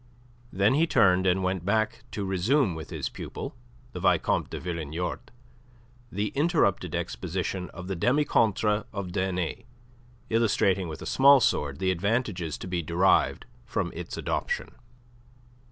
Then he turned and went back to resume with his pupil, the Vicomte de Villeniort, the interrupted exposition of the demi contre of Danet, illustrating with a small sword the advantages to be derived from its adoption.